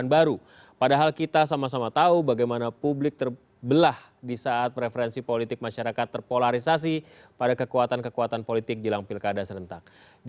bagaimana publik terbelah di saat referensi politik masyarakat terpolarisasi pada kekuatan kekuatan politik di langpil kada serentak